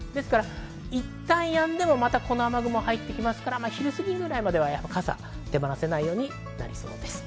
いったんやんでもまたこの雨雲入ってきますから、昼過ぎぐらいまでは傘、手放せないようになりそうです。